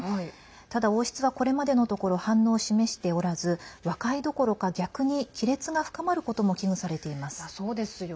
ただ、王室はこれまでのところ反応を示しておらず和解どころか逆に亀裂が深まることも危惧されています。